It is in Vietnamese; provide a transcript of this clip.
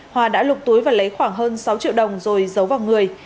hòa đã lục túi và lấy khoảng hơn sáu triệu đồng rồi giấu vào người